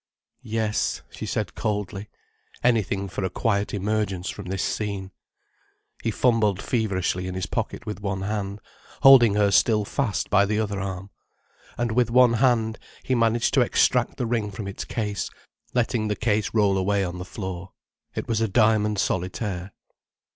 "Yes," she said coldly. Anything for a quiet emergence from this scene. He fumbled feverishly in his pocket with one hand, holding her still fast by the other arm. And with one hand he managed to extract the ring from its case, letting the case roll away on the floor. It was a diamond solitaire.